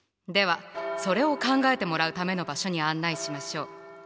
ではそれを考えてもらうための場所に案内しましょう。